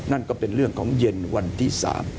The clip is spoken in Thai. นั่นก็เป็นเรื่องของเย็นวันที่๓